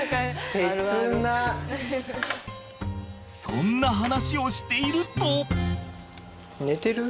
そんな話をしていると。